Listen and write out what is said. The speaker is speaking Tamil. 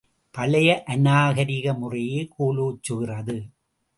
பழைய அநாகரிக முறையே கோலோச்சுகிறதே!